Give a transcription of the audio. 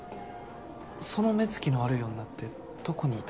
その目つきの悪い女ってどこにいた？